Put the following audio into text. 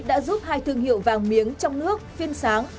đã giúp hai thương hiệu vàng miếng trong nước phiên sáng